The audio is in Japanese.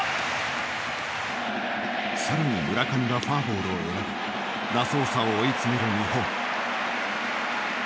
更に村上がフォアボールを選びラソーサを追い詰める日本。